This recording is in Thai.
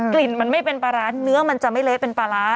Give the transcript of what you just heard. กลิ่นมันไม่เป็นปลาร้าเนื้อมันจะไม่เละเป็นปลาร้า